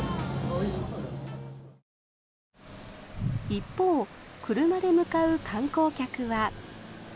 一方、車で向かう観光客は。